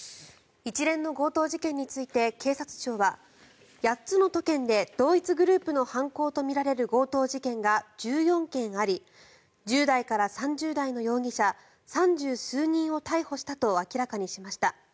一連の強盗事件について警察庁は８つの都県で同一グループの犯行とみられる強盗事件が１４件あり１０代から３０代の容疑者３０数人を逮捕したと明らかにしました。